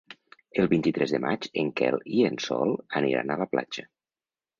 El vint-i-tres de maig en Quel i en Sol aniran a la platja.